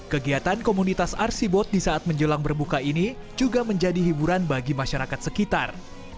kegiatan komunitas rcboat di saat menjelang berbuka ini juga menjadi hiburan bagi masyarakat sekitar